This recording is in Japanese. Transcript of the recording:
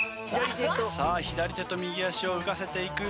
さあ左手と右足を浮かせていく。